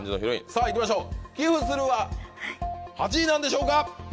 さぁいきましょう寄付するは８位なんでしょうか？